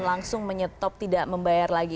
langsung menyetop tidak membayar lagi